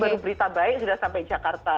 baru berita baik sudah sampai jakarta